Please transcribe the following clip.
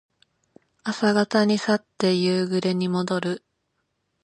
朝方に去って夕暮れにもどる。